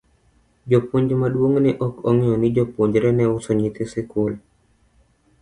Japuonj maduong' ne ok ong'eyo ni jopuonjre ne uso nyithi skul.